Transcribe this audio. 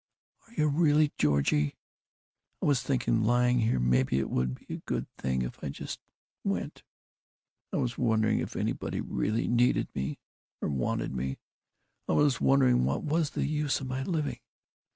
"Are you really? George, I was thinking, lying here, maybe it would be a good thing if I just went. I was wondering if anybody really needed me. Or wanted me. I was wondering what was the use of my living.